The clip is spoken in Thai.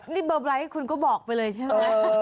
นี่เบอร์ไลท์คุณก็บอกไปเลยใช่ไหม